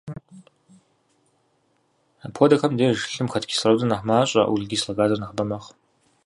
Апхуэдэхэм деж лъым хэт кислородыр нэхъ мащӏэ, углекислэ газыр нэхъыбэ мэхъу.